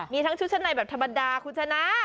มีทั้งชุดชะในแบบธรรมดาฮูชนะ